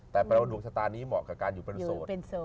แต่แปลว่าดวงชะตานี้เหมาะกับการอยู่เป็นโสด